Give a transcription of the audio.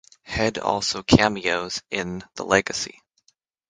Head also cameos in "The Legacy".